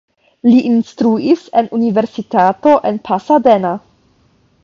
Li instruis en universitato en Pasadena.